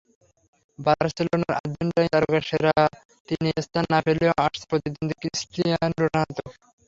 বার্সেলোনার আর্জেন্টাইন তারকা সেরা তিনে স্থান না পেলেও আছেন প্রতিদ্বন্দ্বী ক্রিস্টিয়ানো রোনালদো।